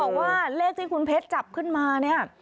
บอกว่าเลขที่คุณเพชรจับขึ้นมาเนี่ย